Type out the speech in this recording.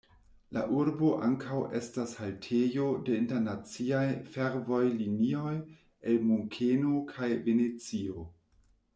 La urbo ankaŭ estas haltejo de internaciaj fervojlinioj el Munkeno kaj Venecio.